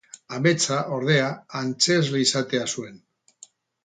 Ametsa, ordea, antzezle izatea zuen.